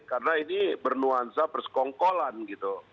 karena ini bernuansa persekongkolan gitu